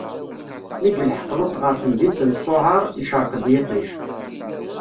Mi yelḥeq Luṭ ɣer temdint n Ṣuɛar, icṛeq-d yiṭij.